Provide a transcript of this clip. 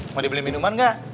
mau dibeli minuman ga